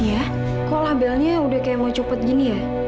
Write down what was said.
iya kok labelnya udah kayak mau cepet gini ya